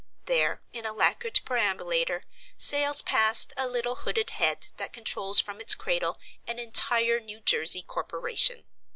There, in a lacquered perambulator, sails past a little hooded head that controls from its cradle an entire New Jersey corporation.